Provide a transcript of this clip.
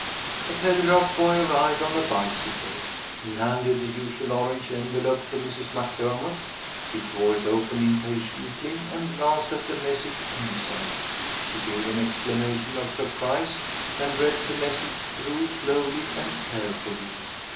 A telegraph boy arrived on a bicycle. He handed the usual orange envelope to Mrs. Mac Dermott. She tore it open impatiently and glanced at the message inside. She gave an exclamation of surprise and read the message through slowly and carefully.